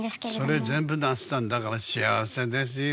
それ全部なすったんだから幸せですよ。